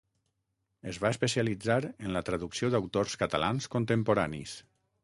Es va especialitzar en la traducció d’autors catalans contemporanis.